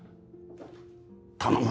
頼む